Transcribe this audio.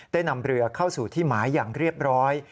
ได้นำเรือเข้าสู่ที่หมายอย่างเรียบร้อย